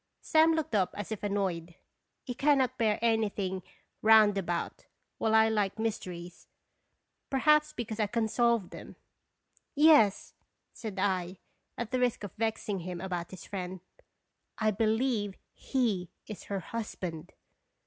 Sam looked up as if annoyed. He cannot bear anything roundabout, while I like mys teries. Perhaps because I can solve them. " Yes," said I, at the risk of vexing him about his friend, "/ believe he is her hus band."